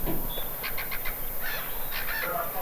তিনি ব্রডওয়েতে কাজ শুরু করেন।